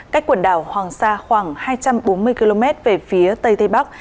cách quần đảo hoàng sa khoảng hai trăm bốn mươi km về phía tây tây bắc